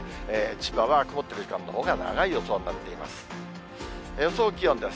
千葉は曇っている時間のほうが長い予想となっています。